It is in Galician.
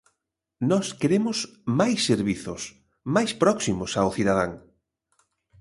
Nós queremos máis servizos, máis próximos ao cidadán.